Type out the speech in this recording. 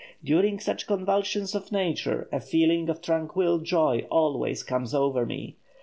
During such convulsions of Nature a feeling of tranquil joy always comes over me.